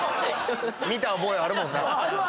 見た覚えあるもんな。